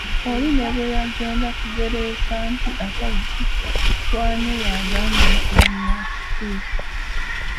Oli ne bwe yagenda kugereesa nti atagukwanye y'agamba nti banaakitiza!